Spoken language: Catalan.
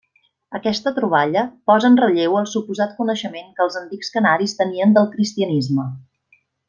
Aquesta troballa posa en relleu el suposat coneixement que els antics canaris tenien del cristianisme.